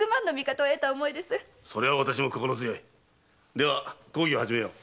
では講義を始めよう。